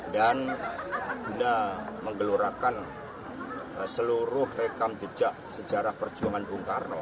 dan guna menggelurakan seluruh rekam jejak sejarah perjuangan bung karno